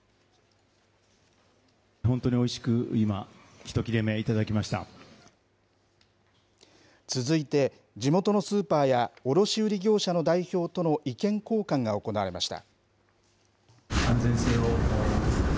本当においしく、今、続いて、地元のスーパーや、卸売り業者の代表との意見交換が行われました。